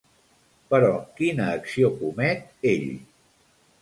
Però quina acció comet ell?